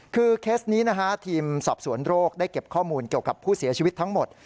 คือเคสนี้นะฮะทีมสอบสวนโรคได้เก็บข้อมูลเกี่ยวกับผู้เสียชีวิตทั้งหมด